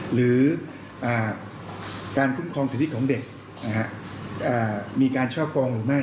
หรือการคุ้มครองสิทธิของเด็กมีการครอบครองหรือไม่